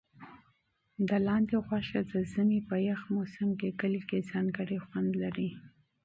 لاندي غوښه د ژمي په یخ موسم کې کلي کې ځانګړی خوند لري.